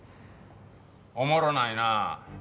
おもろないなあ。